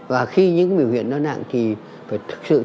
và khi những cái biểu hiện nó nặng thì phải thực sự tìm đến các nhà chuyên môn